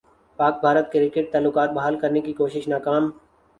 پاک بھارت کرکٹ تعلقات بحال کرنے کی کوشش ناکام